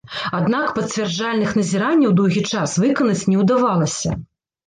Аднак пацвярджальных назіранняў доўгі час выканаць не ўдавалася.